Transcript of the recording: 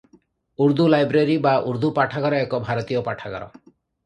Urdu library ବା ଉର୍ଦ୍ଦୁ ପାଠାଗାର ଏକ ଭାରତୀୟ ପାଠାଗାର ।